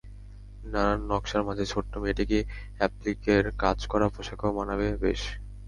নানান নকশার মাঝে ছোট্ট মেয়েটিকে অ্যাপ্লিকের কাজ করা পোশাকেও মানাবে বেশ।